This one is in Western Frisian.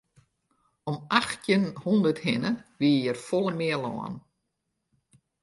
Om achttjin hûndert hinne wie hjir folle mear lân.